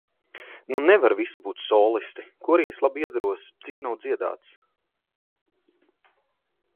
Nu nevar visi būt solisti, korī es labi iederos, cik nav dziedāts.